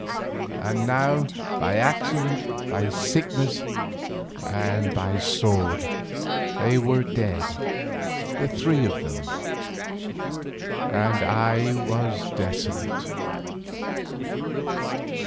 And now by accident, by sickness, and by the sword, they were dead the three of them, and I was desolate.